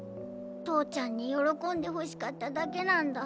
とうちゃんによろこんでほしかっただけなんだ。